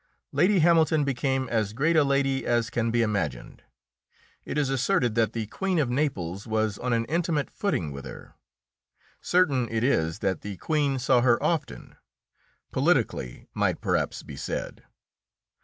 Lady Hamilton became as great a lady as can be imagined. It is asserted that the Queen of Naples was on an intimate footing with her. Certain it is that the Queen saw her often politically, might perhaps be said.